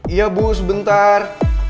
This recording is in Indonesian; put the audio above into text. iya bu sebentar